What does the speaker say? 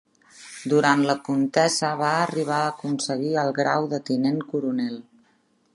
Durant la contesa va arribar a aconseguir el grau de tinent coronel.